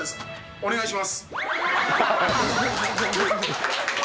お願いします。